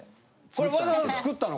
これわざわざ造ったの？